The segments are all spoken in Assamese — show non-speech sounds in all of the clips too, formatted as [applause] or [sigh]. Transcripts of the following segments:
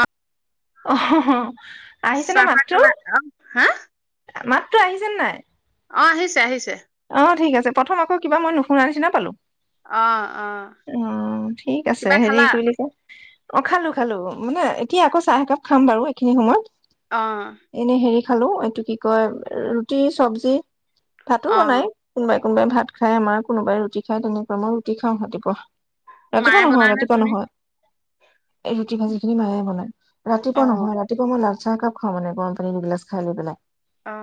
অ অ আহিছেনে চাহ তাহ মাত্ৰ খালা অ হা মাত্ৰো আহিছেন নাই অ আহিছে আহিছে অ', ঠিক প্ৰথম আকৌ কিব মই নুশুনা নিচিনা পালো অ অ উম ঠিক আছে কিবা হেৰি খালা কি বুলি কয় অ খালো খালো মানে এতিয়া আকৌ চাহ একাপ খাম বাৰু এইখিনি সময়ত অ খালো এইটো কি কয় ৰুটি চব্জি অ বনাই কোনবাই কোনোবাই ভাত খাই আমাৰ কোনোবাই ৰুটি খাই তেনেকুৱা মই ৰুটি খাওঁ ৰাতিপুৱা ৰাতিপুৱা মায়ে নহয় বনাই নে ৰাতিপুৱা তুমি নহয় এই ৰুটি ভাজি সিনি মায়ে বনায় অ ৰাতিপুৱা নহ ৰাপুৱা মই লাজ চাহ কাপ খওঁ মানে গৰম পানী দুগিলা খাই লৈ পেলাই অ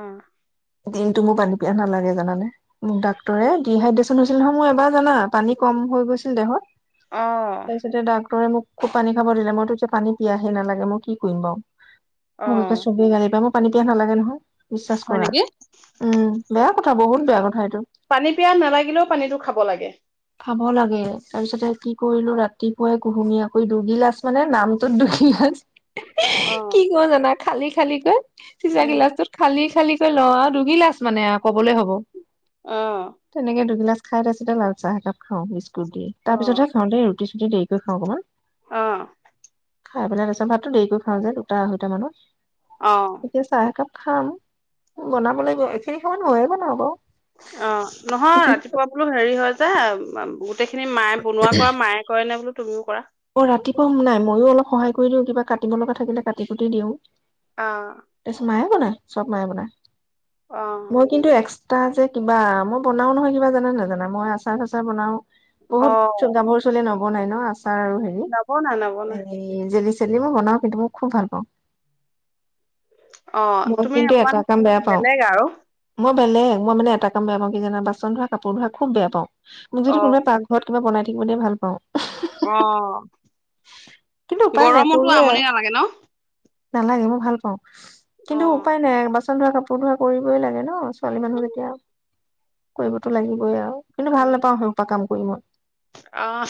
দিনটো মোৰ পানী পিয় নালাগে জানানে মোক ডাক্তৰে ডিহাইড্ৰেচন হৈছিল নহয় মোৰ এবাৰ জানা পানী কম হৈ গৈছিল দেহত অ তাৰপিছতে ডাক্তৰে মোক খুব পানী খাব দিলে মইতো এতিয়া পানী পিয়াহে নালাগে মই কি কৰিম অ বাৰু মোক কেতিয়া চুবি গালিব মোক পানী দিয়া নালাগে নহয় বিশ্বাস হয় কৰা নেকি উম বেয়া ক বহুত বেয়া কথা এইটো পানী পিয় নালাগিলেও পানীটো খাব লাগে খাব লাগে তাৰপিছতে কি কৰিলো ৰাতিপুৱাই কুহুমীয়া কৰিৈ দুগিল লাজ মানে নামটোত দুগি লাাজ অ কি ক জানা খালি খালিক চিচা উম গিলাচ তত খালি খালি ল দুগিলাচ মানে কবলে হ'ব অ তেনেকে দুগিলাচ খাই আছে এ লাল চাহ একাপ খাওঁ দ অ তাৰ পিছতে খওঁতে ৰুি প্ৰতিুি চুতি দেৰি কৰি খাওঁ অকণমান অ খাই পেলাই তচৰ ভাতটো দেৰিক কৰি খাওঁ যে দুটা আঢৈটা মানত অ এতিয়া চাহ কাপ খাম বনাবলৈ গৈ এ কিমান নয়ে ব নাবৌ অ নহয় ৰাতিপুৱা বোলো হেৰি হয় যায় ব গোটেইখিনি মায়ে বনোৱা মায়ে কৰেনে বোলে তুমি অ ৰাতিপুৱাম নাই ময়ো অলপ সহায় কৰি দিও কিবা কাটিব লগা থাকিলে কাটি কুট দিও অ তছ মায়ে ব ন চব নাই বনাই অ মই কিন্তু এক সা যে কিবা মই বনাও নহয় কিবা জানে নে জানা মই আচাৰ চচাৰ বনাও অ বহুত গাভৰ চল নব হ নাই ন আচাৰ নবনাই নবনাই হেৰি জ চেলিমই বনাও কিন্তু মই খুব ভাল পাওঁ অ মই তুমি কিন্তু অকমান এটা কাম বেয়া পাওঁ বেলেগ আৰু মই বেলেগ মই মান এটাাম বেয়া পাওঁ জা বান ধৰা কাপোৰ ধ খু বেয়া পাও মোক যদি অ', কোনোব পাকঘৰত কিবা বনাই থাকিবতে ভাল পাওঁ অ কিন্তু উপায় নাই গৰমতো কৰোৱে আৰু আমনি নালাগে ন? নালাগে মই ভাল পাওঁ কিন্তু অ', উপায় নাই বা ধোৱা কাপোৰ ধোৱা কৰিবই লাগে ন ছোৱালী মানুহ উম যেতিয়া কৰিবতো লাগিবই আৰু কিন্তু ভাল নাপাওঁ সেইপা কাম কৰি মই অ',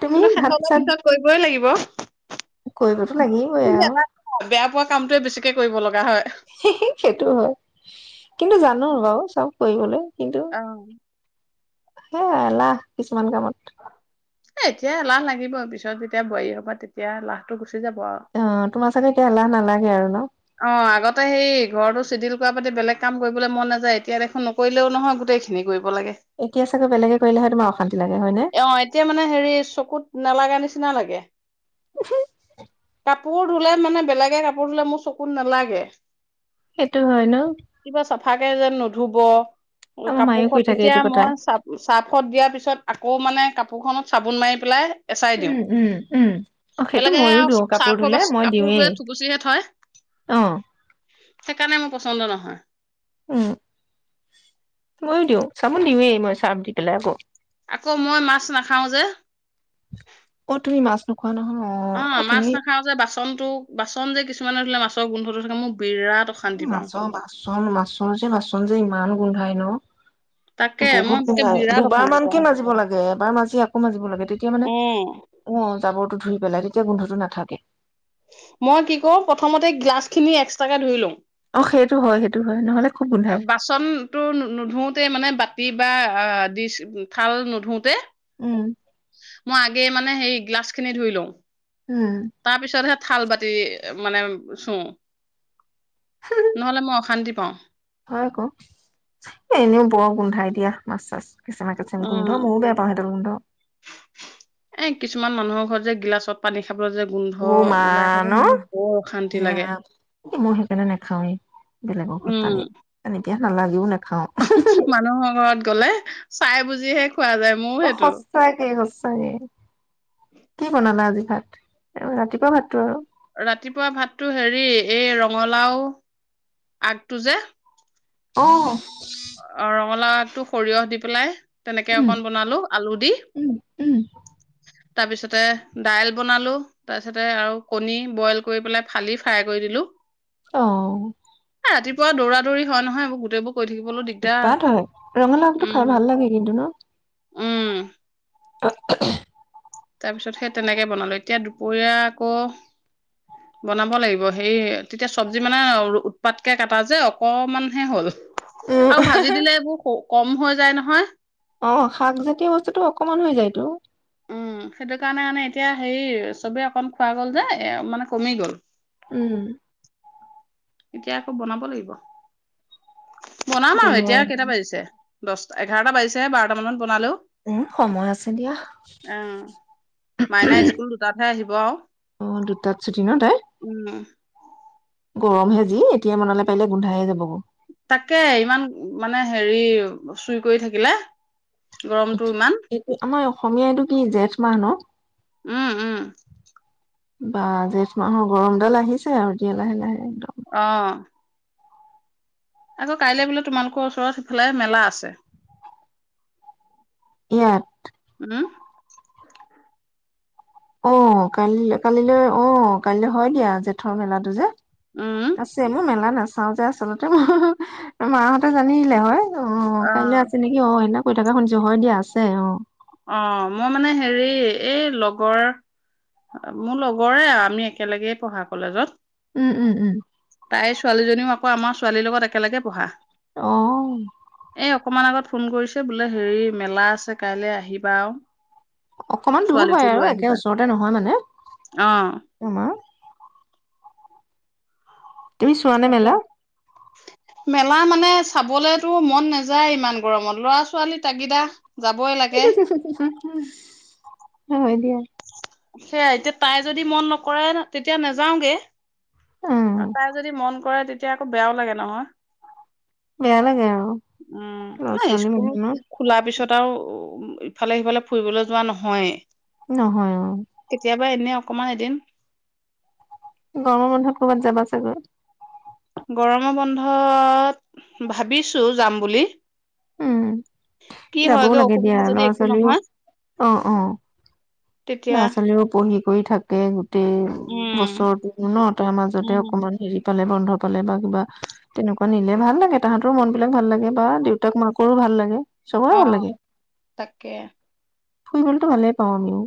তুমি কিন্তু ভাত শেষক চাত পাছত কৰিবই লাগিব কৰিবতো লাগিবই কিন্ত আৰু এ বেয়া পোৱা কামটয়ে বেছিকে কৰিব লগা। হয়। হে হে সেইটো হয়। কিন্তু জানো বাৰু চব কৰিবলৈ আহ সে এলাহ কিছুমান কামত এ এতিয়া লাহ লাগিব পিছত যেতিয়া বোৱাৰী হ'বা তেতিয়া লাহটো গু অ তোমাৰ চাগে এলাহ নালাগে। কে আৰু ন অ আগতে সেই ঘৰৰতটো চিডিল কোৱা পাতি বেলেগ কাম কৰিবলৈ মন নাযায় এতিয়া দেখোন নকৰিলেও নহয় গোটেইখিনি কৰিব। লাগে। এতিয়া চাগে বেলেগে কৰিলে হয় তোমাৰ অশান্তি লাগে। হয় নে অ এতিয়া মানে হেৰি চকুত নালাগা নিচিনা লাগে। উহো। কাপোৰ ধুলে মানে বেলেগে কাপোৰ ধুলে মোৰ চকুত নালাগে। সেইটো হয় ন ফাকে যেন নোধুব। আমাৰ কাপোৰ মায়েও খত কৈ থাকে এতিয়া এইটো কথা। মই চ চাৰফত দিয়াৰ পিছত আকৌ মানে কাপোৰখনত চাবোন মাৰি পেলাই। এচাৰি উম দিওঁ উম উম অ সেইটো বেলেগে ময়ো আৰু দিওঁ কাপোৰ চাৰ্ফৰ বা ধুলে মই কাপোৰটোৱে দিওঁৱেই থুকুচিহে থয় অ সেইকাৰণে মোৰ পচন্দ নহয় উম ময়ো দিওঁ চাবুন দিওঁয়ে মই চাৰফ দি পেলাই আকৌ। আকৌ মই মাছ নাখাওঁ যে অ তুমি মাছ নোখো অ মাছ নাখাও যে বাচনতটো বাচন যে কিছুমানে ধৰিলে মাছ। ছয় গন্ধ‌ লয় থকা মোৰ বিৰাট অশান্তি পাওঁ মাছৰ বাচন, মাছৰ যে বাচন যে ইমান গো নাই ন। তাকে মই বহুত কোমাই বিৰাট দুবাৰ অশান্তি পাওঁ মানকে মাজিব লাগে এবাৰ মাজি আকৌ মাজিব লাগে তেতিয়া মানে উম অ। জাবৰটো ধুই পেলাই তেতিয়া গোন্ধটো নাথাকে। মই কি কৰোঁ প্ৰথমতে গ্লাছ খিনি এক্সট্ৰাকে ধুই ল‌ওঁ। অ সেইটো হয়, সেইটো হয়, নহ'লে খুব গোন্ধাই। বাচনতো নোধোতে মানে বাতি কিবা অ দিচ খাল, নোধোতে। উম। মই আগে মানে সেই গ্লাছ খিনি ধুই লওঁ। উম, তাৰ পিছতহে। থাল বাতি মানে চুও। নহলে মই অশান্তি অ'। আকৌ এ এনেও বৰ গোন্ধাই দিয়া মাছ চাছ। কিছুমান গোন্ধ উম ময়ও বেয়া পাওঁ সেইটো গোন্ধ। কিছু মানুহৰ ঘৰত যে গিলাছত পানী। খাবলৈ যে গোন্ধ অ মা, ওলাই থাকে ন! মোৰ বৰ অশান্তি লাগে মই সেইকাৰণে নাখাওৱেই বেলেগৰ ঘৰত উম পানী চানি দিয়া। নালাগিলেও নাই। মানুহৰ ঘৰত। গ'লে চাই বুজিহে। খোৱা যায় মোৰ অ সেইটো সঁচা একেই সঁচা হয়। কি বনালা আজি? ভাত ৰাতিপুৱা ভাতটো আৰু ৰাতিপুৱা ভাতো হেৰি এই ৰঙালাও আগটো যে অহ। টো সৰিয়হ দি পেলাই। তেনেকে অকন বনালো আলু দি। উম উম তাৰপিছতে দাইল বনালো, তাৰপিছতে আৰু কণী বইল কৰি পেলাই ফালি ফ্ৰাই কৰি দিলো। অহ। এ ৰাতিপুৱা দৌৰা দৌৰি হয়, নহয় [unintelligible] থাকিবলৈও দিগদাৰ। উৎপাত হয়, ৰঙালাও আগটো উম, খাই ভাল লাগে কিন্তু ন? উম। তাৰ পিছত সেই তেনেকে বনালো এতিয়া দুপৰীয়া আকৌ বনাব লাগিব হেয়ি তেতিয়া চব্জি মানে উৎপাতকে কটা যে, অকমান হে হ'ল। আৰু ভাজি দিলে এইবোৰ [unintelligible] কম হৈ যায় নহয়। অ', শাকজাতীয় বস্তুটো অকমান হৈ যায়তো। উম, সেইটো কাৰণে মানে এতিয়া হেৰি চবেই অকন খোৱা গ'ল যে, এ মানে কমি গ'ল। উম। এতিয়া আকৌ বনাব লাগিব। বনাম আৰু বনোৱাই এতিয়া কেইটা বাজিছে। দচ এঘাৰটা বাজিছেহে বাৰট মান বনালেও উম, সময় আছ অ', মাইনা স্কুল দুটাতহে আহি বাৱাহ। অ', দুটাত চুটি ন তাই? উম। গৰমহে যি এতিয়া মনালে পাৰিলে গোন্ধাইে যাব গ তাকে ইমান মানে হেৰি চুই কৰি থাকিলে, গৰমটো ইমান এইটো আমাৰ, অসমীয়াইটো কি জেঠ মাহ ন উম উম! বা জেঠ মাহৰ গৰম ডাল আহিছে আৰু দতিে লাহে লাহে একদম আহ আকৌ কাইলৈ বোলে তোমালোকৰ ওচৰত সিফালে মেলা আছে ইয়াত, হম আহ কালি কালিলৈ আহ কালিলৈ হয় দিয়া জেঠৰ মেলাটো যে উম আছে মোৰ মেলা নাছে, চাও যে আচল্ততে মোৰ মাহঁতে জানি আহিলে হয় অ' কাইলৈ আছে নেকি অ সনা ক থাককাে শুনিছো হয় দিয়া আছে অ' অ' মই মানে হেৰি এই লগৰ মোৰ লগৰে আমি একেলগে পঢ়া কলেজত উম উম উম! তাইৰ ছোৱালীজনীও আকৌ আমাৰ ছোৱালীৰ লগত একেলগে পঢ়া অ এ অকমান আগত ফোন কৰিছে বোলে হেৰি মেলা আছে কাইলে আহিবা আৰু অকমান দূৰ হয় ছোৱালীকো আৰু লৈ একে আহিবা ওচৰত নহয় মানে অ তোমাৰ তুমি চোৱা নে তাকে মেলা? মেলা মানে চাবলৈতো মন নাযায় ইমান গৰমত লৰা ছোৱালী তাগিদা। যাবই লাগে। হয় দিয়া। সেয়াাই এতিয়া তাই যদি মন নকৰে তেতিয়া নাযাওঁগে অ আৰু তাই যদি মন কৰে তেতিয়া এতিয়া আকৈ বেয়াও লাগে নহয় বেয়া লাগে আৰু উম ল'ৰা ন ছোৱালী স্কুল মানুহ ন খোলাৰ পিছত আৰু উ ইফালে সিফালে ফুৰিবলৈ যোৱা নহয়ে। নহয় অ। কমাই এদিন গৰমৰ বন্ধত কৰ'ৰবাত যাবা চাগৈ গৰমৰ বন্ধত ভাবিছো যাম বুলি! উম কি যাবও হয়গে লাগে দিয়া অসুবিধা যদি ল'ৰা একো ছোৱালীও নহয় অ অ ল'ৰা তেতিয়া ছোৱালীও পঢ়ি। কৰি থাকে। গোটেই উম বছৰটো ন তাৰ মাজতে উম অকনমান হেৰি পালে বন্ধ ৰ পালে বা কিবা তেনেকুৱা নিলে ভাল লাগে তাহাঁতৰো মন বিলাক ভাল লাগে। বা দেউতাক মাকক অ' ভাল লাগে চবৰে ভাল অ' তাকে ফুৰিবতো ভালেই পাওঁ আমিও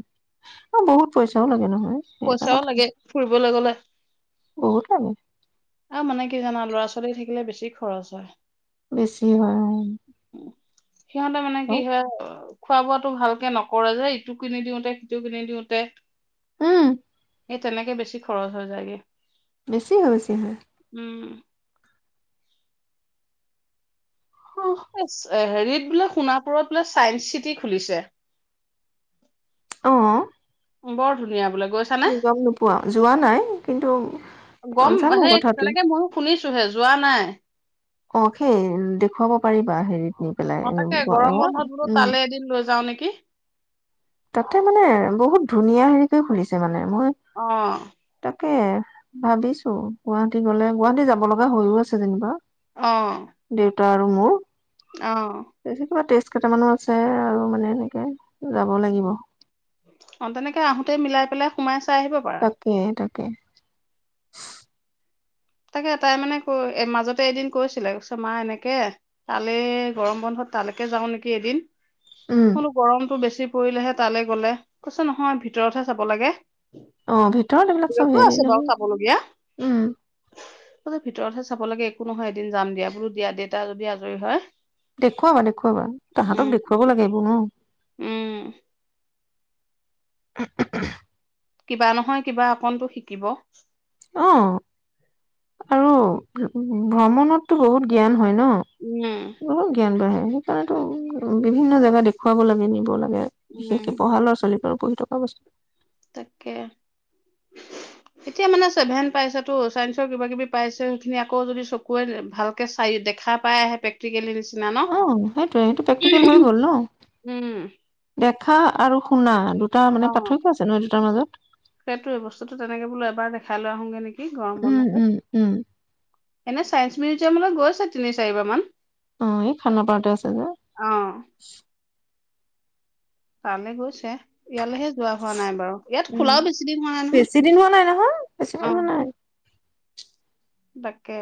সে বহুত পইচাও লাগে নহয়। সেই এটা পইচাও কথা লাগে ফুৰিবলৈ গলে। বহুত লাগে। আৰু মানে কি জানা ল'ৰা ছোৱালী থাকিলে বেছি খৰচ হয়। বেছি হয় অ' [inaudible] উম, সিহঁতে মানে কি হয় খোৱা বোৱাটো ভালকে নকৰে যে ইটো কিনি দিওঁতে, সিটো কিনি দিওঁতে হম। এই তেনেকে বেছি খৰচ হৈ যায়গে। বেছি হৈ হৈছে হয়। উম, এ হেৰিত বোলে সোণাপুৰত চাইড চিটি খুলিছে অ'। বৰ ধুনীয়া বোলে গৈছানে? তুমি গম নোপোৱা যোৱা নাই কিন্তু অ গম জানো হেই কথাটো তেনেকে ময়ো শুনিছো সেইটো হে যোৱা নাই অ সেই দেখুৱাব পাৰিবা হেৰিত নি পেলাই অ এ তাকে গৰম বন্ধত বোলো উম তালে এদিন লৈ যাও নেকি কি তাতে মানে বহুত ধুনীয়া হেৰি কৰি খুলিছে মানে মই অ তাকে ভাবিছো গুৱাহাটী গলে গুৱাহাটী যাব লগা হৈয়ও আছে যেনিবা অ ত আৰু মোৰ অ', সেনেকুৱা টেষ্ট কেইটা মানো আছে আৰু মানে এেনেকে যাব লাগিব অ তেনেকে আহোতে মিলাই সেই পেলে সোমাই আছে তাকে তাক তাকে তাকে এটাই মানে কৈ মাজতে এদিন কৈছিলে ক মা এনেকে তালে গৰম বন্ধত তালৈকে যাওঁ নেকি এদিন উম কনো গৰম টো বেছি পৰিলেহে তালৈ গ'লে কৈছে নহয় ভিতৰতহে চাব লাগে অ ভিতৰত এইবিলাক চব ভিতৰতো হেৰি নহয় উম ত ভিতৰতহে চাব লাগে একো নহয় এদিন যাম দিয়া বোলো দিয়া দেতা যদি আজৰি হয় দেখুৱাবা দেখুৱাবা উম তাহাঁতক দেখুৱাব লাগে এইবোৰ অ উম [inaudible] কিবা নহয় কিবা অকণতো শিকিব অ অ ভ্ৰমণতটো বহুত জ্ঞান হয় ন উম বহুত জ্ঞান বাঢ়ে সেনেকোৱা আকৌ বিভিন্ন জেগা দেখুৱাব লাগে নিব লাগে উম বিশেষকে পঢ়া ল'ৰা ছোৱালী পা পঢ়ি থকা অৱস্থাত তাকে এতিয়া মানে ছেভেন পাইছে তো চাইন্সৰ কিবা কিবি পাইছে সেইখিনি আকৌ যদি চকুয়ে ভালকে চাই দেখা পাই আহে প্ৰেক্টিকেলি বেছি অ সেইটোৱে এইটো প্ৰেক্টিকেল হৈ গ'ল ন উম দে শা আৰু সোনা দু টো মানে অ', পাৰ্থক্য আছে নহয়, দুটাৰ মাজত। সেইটোৱে বস্তুটো তেনেকে বোলোঁ এবাৰ দেখাই লৈ আহোংগৈ নেকি গৰম উম বন্ধতে। উম উম। এনে ছায়েন্স মিউজিয়ামলৈ গৈছে তিনি চাৰিবাৰ মান। অ এই খানাপাৰাতে আছে যে। অ', তালে গৈছে। ইয়ালৈহে যোৱা হোৱা নাই বাৰু ইয়াত উম খোলাও বেছি দিন হোৱা নাই নহয়, বেছি দিন হোৱা নাই নহয় বেছি অ। দিন হোৱা নাই। তাকে।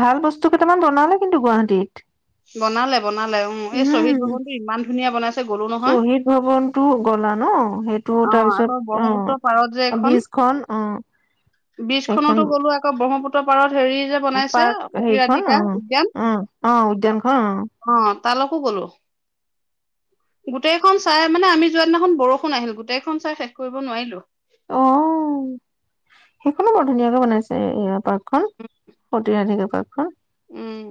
ভাল বস্তু কেইটামান বনালে কিন্তু গুৱাহাটীত। বনালে বনালে উম এই শ্বহীদ ভৱনটো ইমান ধুনীয়া বনাইছে গলোঁ নহয়। শ্বহীদ টো অ', আকৌ তাৰপিছত ব্ৰহ্মপুত্ৰ পাৰত যে অ এখন বীজখন অ, এইখন। ব্ৰহ্মপু্ৰৰ পাৰত। হেৰি যে বনাইছে পাৰ্ক সতী হেৰিখন ৰাধিকা অ উদ্যান উম অ উদ্যানখন অ। তালকো গলোঁ, গোটেইখন চাই মানে আমি যোৱা দিনাখন বৰষুণ আহিল। গোটেইখন চাই শেষ কৰিব নোৱাৰিলোঁ। অ, সেইখনো মোৰ। ধুনীয়াকে বনাইছে এয়া পাৰ্কখন সতিৰাধিকা [unintelligible] খন। উম।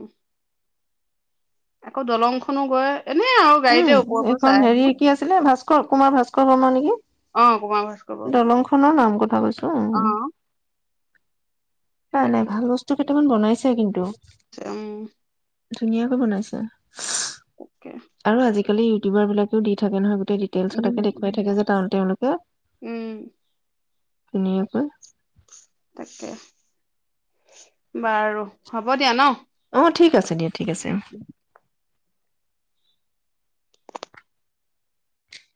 আকৌ দলংখনো গৈ এনেই আৰু উম, গাড়ীতে ওপৰৰ পৰা এইখন চাই হেৰি আহিলো কি আছিলে ভাস্কৰ কুমাৰ ভাস্কৰ বৰ্মা নেকি? অ কুমাৰ ভাস্কৰ পৰা দলংখনৰ নাম গত- [unintelligible] অ। নাই নাই তাকে ভাল বস্তু কিত কেইটামান বনাইছে কিন্তু। উম। ধুনীয়াকৈ বনাইছে। [unintelligible] [unintelligible] আৰু আজিকালি কিবাবিলাকো দি থাকে নহয়। তে ডিটেইলছত উম তাকে উম দেখুৱাই থাকে যে তা তেওঁলোকে। উম ধুনীয়াকৈ। তাকে, বাৰু হ'ব দিয়া ন'। অ', ঠিক আছে দিয়া ঠিক আছে উম।